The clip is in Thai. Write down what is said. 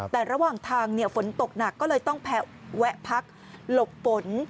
แต่ระหว่างทางฝนตกหนักก็เลยต้องแวะพักหลบฝน